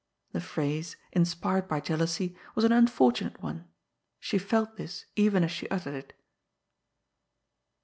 The phrase, inspired by jealousy, was an unfortunate one. She felt this, even as she uttered it.